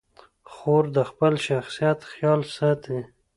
خور د خپل شخصیت خیال ساتي.